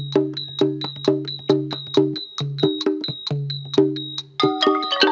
มันไง